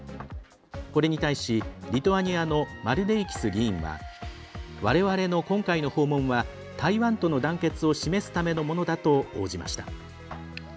これに対しリトアニアのマルデイキス議員はわれわれの今回の訪問は台湾との団結を示すためのものだと応じました。